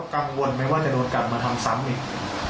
กังวลไหมว่าจะโดนกลับมาทำซ้ำอีก